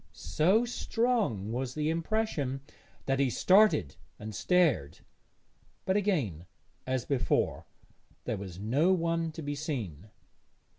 So strong was the impression that he started and stared; but again, as before, there was no one to be seen.